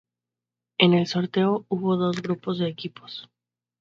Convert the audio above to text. En el sorteo hubo dos grupos de equipos.